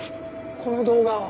この動画を。